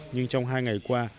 nhưng trong hai ngày qua